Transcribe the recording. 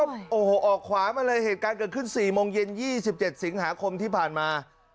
เหตุการณ์อะไรเหตุการณ์เกิดขึ้น๔โมงเย็น๒๗สิงหาคมที่ผ่านมา